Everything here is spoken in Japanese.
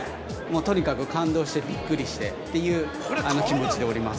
とにかく感動してびっくりしてという気持ちでおります。